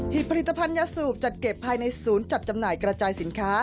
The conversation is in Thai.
ผลิตผลิตภัณฑ์ยาสูบจัดเก็บภายในศูนย์จัดจำหน่ายกระจายสินค้า